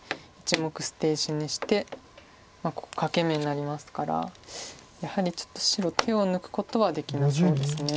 １目捨て石にしてここ欠け眼になりますからやはりちょっと白手を抜くことはできなさそうです。